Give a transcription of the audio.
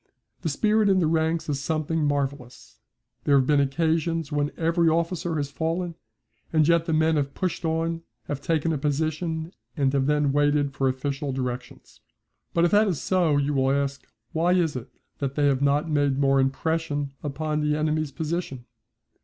The spirit in the ranks is something marvellous. There have been occasions when every officer has fallen and yet the men have pushed on, have taken a position and then waited for official directions. But if that is so, you will ask, why is it that they have not made more impression upon the enemy's position?